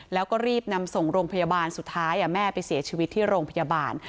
แล้วก็รีบนำส่งโรงพยาบาลสุดท้ายแม่ไปเสียชีวิตที่โรงพยาบาล